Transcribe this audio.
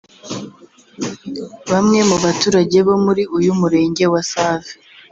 Bamwe mu baturage bo muri uyu Murenge wa Save